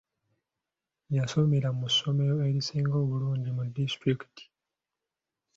Yasomera mu ssomero erisinga obulungi mu disitulikiti.